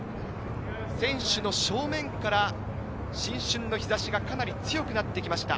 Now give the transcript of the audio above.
選手の正面から新春の日差しがかなり強くなってきました。